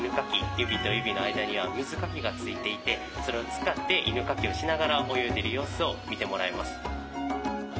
指と指の間には水かきがついていてそれを使って犬かきをしながら泳いでいる様子を見てもらえます。